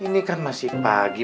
ini kan masih pagi